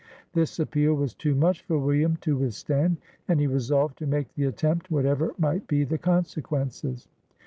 This appeal was too much for William to withstand, and he resolved to make the attempt, whatever might be the consequences.